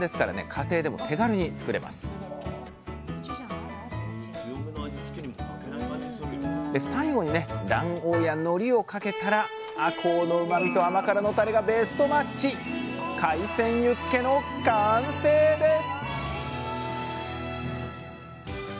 家庭でも手軽に作れますで最後にね卵黄やのりをかけたらあこうのうまみと甘辛のタレがベストマッチ海鮮ユッケの完成です